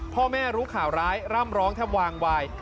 พ่อแม่รู้ข่าวร้ายร่ำร้องแทบวางวาย